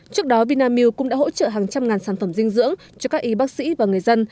trước đó vinamilk cũng đã hỗ trợ hàng trăm ngàn sản phẩm dinh dưỡng cho các y bác sĩ và người dân